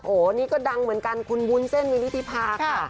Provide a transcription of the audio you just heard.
โอ้โหนี่ก็ดังเหมือนกันคุณวุ้นเส้นวินิธิภาค่ะ